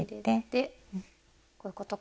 でこういうことか。